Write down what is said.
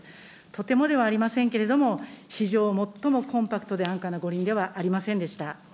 とてもではありませんけれども、史上最もコンパクトで安価な五輪ではありませんでした。